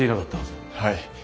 はい。